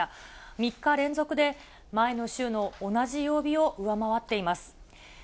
３日連続で前の週の同じ曜日を上回っています。